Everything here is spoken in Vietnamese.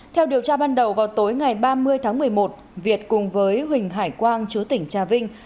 theo điều tra ban đầu vào tối ngày ba mươi tháng một mươi một việt cùng với huỳnh hải quang chứa tỉnh trà vinh